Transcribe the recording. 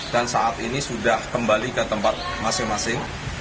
dan saat ini sudah kembali ke tempat masing masing